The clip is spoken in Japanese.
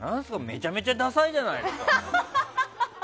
めちゃめちゃダサいじゃないですか。